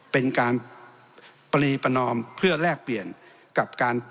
เป็นการปรีประนอมเพื่อแลกเปลี่ยนกับการ